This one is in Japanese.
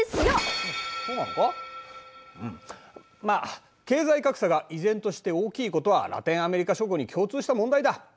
まあ経済格差が依然として大きいことはラテンアメリカ諸国に共通した問題だ。